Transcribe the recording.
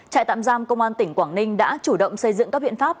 trại tạm giam công an tỉnh quảng ninh đã chủ động xây dựng các biện pháp